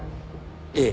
ええ。